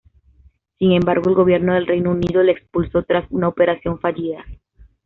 Sin embargo, el gobierno del Reino Unido le expulsó tras una operación fallida.